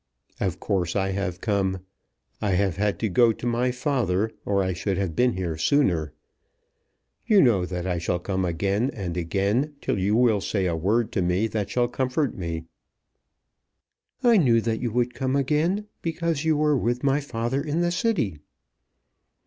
"Of course I have come. I have had to go to my father, or I should have been here sooner. You know that I shall come again and again till you will say a word to me that shall comfort me." "I knew that you would come again, because you were with father in the City."